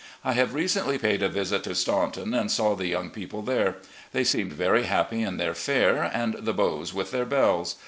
I have recently paid a visit to Staunton and saw the young people there. They seemed very happy in their fair, and the beaux with their belles.